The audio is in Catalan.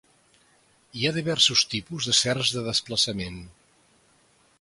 Hi ha diversos tipus de serres de desplaçament.